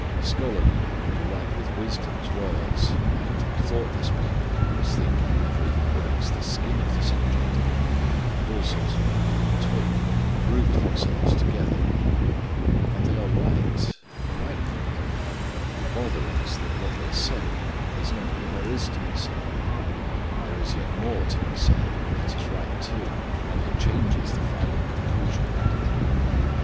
Scholarly men who write with wisdom's words, and thoughtless people whose thinking never even pricks the skin of the subject, and all sorts of people in between group themselves together here. And they are right, quite right. The bother is that what they say is not all there is to be said. There is yet more to be said, that is right too, and that changes the final conclusion radically.